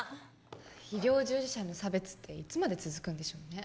医療従事者への差別っていつまで続くんでしょうね